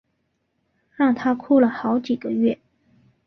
让她哭了好几个月